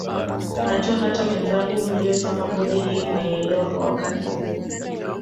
Najua hata wenzangu mliosoma bodi hii mnaielewa kwa wakati huo